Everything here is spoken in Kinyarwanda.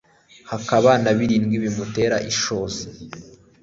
hakaba na birindwi bimutera ishozi